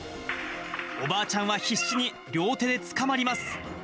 おばあちゃんは必死に両手でつかまります。